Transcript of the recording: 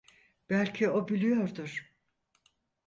Belki o biliyordur.